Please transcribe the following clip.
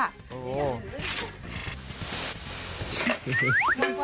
โอ้โห